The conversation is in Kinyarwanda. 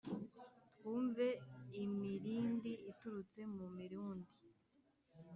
Twumve imirindi iturutse mu mirundi